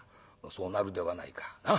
「そうなるではないか。なあ？